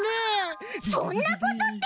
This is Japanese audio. そんなことって。